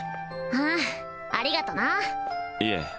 うんありがとないえ